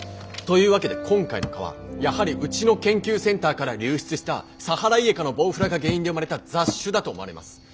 というわけで今回の蚊はやはりうちの研究センターから流出したサハライエカのボウフラが原因で生まれた雑種だと思われます。